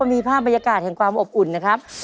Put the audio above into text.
มีภาพบรรยากาศแห่งความอบอุ่นนะครับ